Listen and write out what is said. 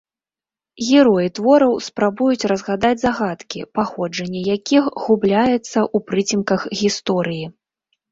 Героі твораў спрабуюць разгадаць загадкі, паходжанне якіх губляецца ў прыцемках гісторыі.